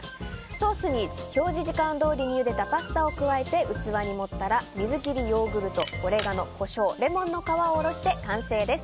ソースに表示時間どおりにゆでたパスタを加えて器に盛ったら水切りヨーグルトオレガノ、コショウレモンの皮をおろして完成です。